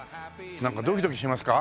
なんかドキドキしますか？